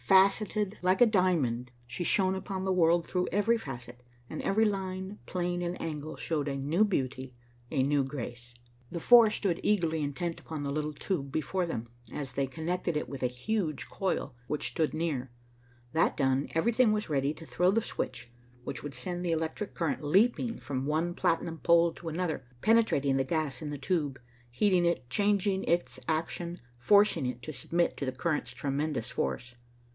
Faceted like a diamond, she shone upon the world through every facet, and every line, plane and angle showed a new beauty, a new grace. The four stood eagerly intent upon the little tube before them, as they connected it with a huge coil which stood near. That done, everything was ready to throw the switch which would send the electric current leaping from one platinum pole to another, penetrating the gas in the tube, heating it, changing its action, forcing it to submit to the current's tremendous force.